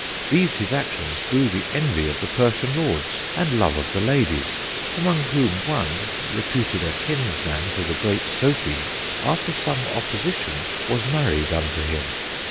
These his Actions drew the Envie of the Persian Lords, and Love of the Ladies, amongst whom one (reputed a Kins man to the great Sophy) after some Opposition, was married unto him.